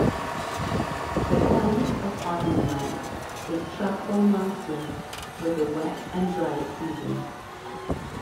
The climate of Arnhem Land is tropical monsoon with a wet and dry season.